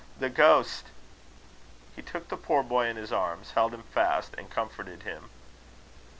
the ghost!" He took the poor boy in his arms, held him fast, and comforted him.